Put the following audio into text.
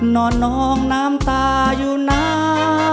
นอนนองน้ำตาอยู่หน้า